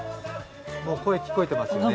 もう、声、聞こえてますね。